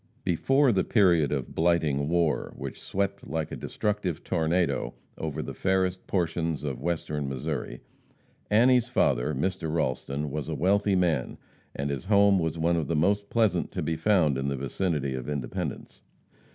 Before the period of blighting war, which swept like a destructive tornado over the fairest portions of Western Missouri, Annie's father, Mr. Ralston, was a wealthy man, and his home was one of the most pleasant to be found in the vicinity of Independence.